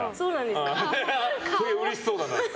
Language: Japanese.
すげえうれしそうだな。